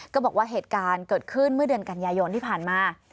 ก็บอกว่าเหตุการณ์เกิดขึ้นเมื่อเดือนกันยายนที่ผ่านมา